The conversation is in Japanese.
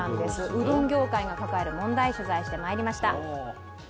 うどん業界が抱える問題、取材してまいりました。